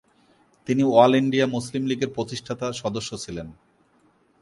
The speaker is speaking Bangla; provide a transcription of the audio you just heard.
তিনি অল ইন্ডিয়া মুসলিম লীগের প্রতিষ্ঠাতা সদস্য ছিলেন।